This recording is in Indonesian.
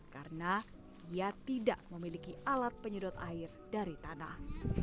karena ia tidak memiliki alat penyedot air dari tanah